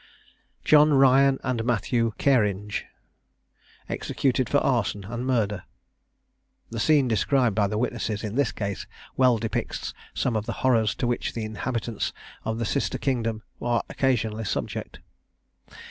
JOHN RYAN AND MATTHEW KEARINGE. EXECUTED FOR ARSON AND MURDER. The scene described by the witnesses in this case well depicts some of the horrors to which the inhabitants of the Sister Kingdom are occasionally subject.